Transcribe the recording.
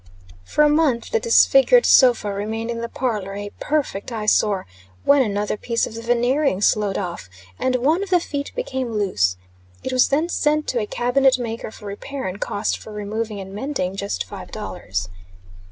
For a month the disfigured sofa remained in the parlor, a perfect eye sore, when another piece of the veneering sloughed off, and one of the feet became loose. It was then sent to a cabinet maker for repair; and cost for removing and mending just five dollars.